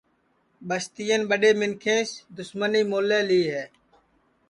ٻستِین ٻڈؔے منکھینٚس دُسمنی مولے لی ہے